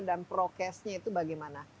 dan prokesnya itu bagaimana